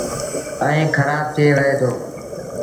ائيٚݩ کرآب ٿئي وهي دو۔